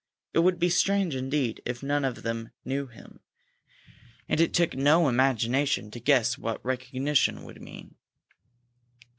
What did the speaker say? It would be strange, indeed, if none of them knew him. And it took no imagination to guess what recognition would mean.